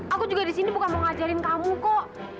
aku juga di sini bukan mau ngajarin kamu kok